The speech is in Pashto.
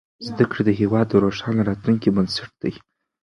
زدهکړې د هېواد د روښانه راتلونکي بنسټ دی.